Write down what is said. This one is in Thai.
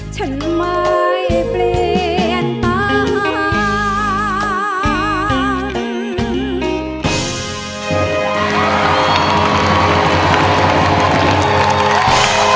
ฉันไม่เปลี่ยนตาหาย